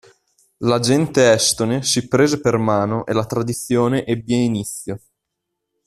La gente estone si prese per mano e la tradizione ebbe inizio.